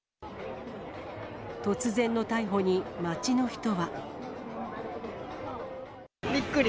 突然の逮捕に街の人は。びっくり。